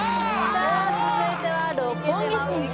さあ続いては「六本木心中」